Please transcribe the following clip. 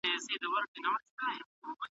سړه ژبه بحث اسانه کوي.